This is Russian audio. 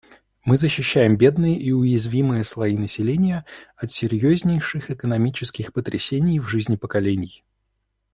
Мы защищаем бедные и уязвимые слои населения от серьезнейших экономических потрясений в жизни поколений.